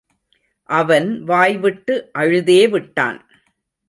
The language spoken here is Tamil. அவன் வாய்விட்டு அழுதே விட்டான்.